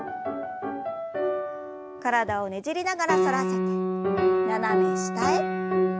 体をねじりながら反らせて斜め下へ。